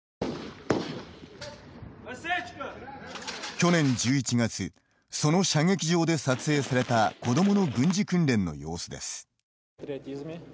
去年１１月その射撃場で撮影された子どもの軍事訓練の様子です。